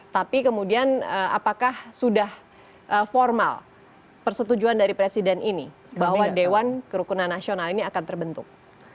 tapi kemudian apakah sudah formal persetujuan dari presiden ini bahwa dewan kerukunan nasional ini akan terbentuk